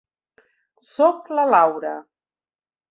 Soc la Laura.